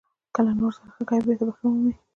• که له نورو سره ښه کوې، بېرته به یې ښه ومومې.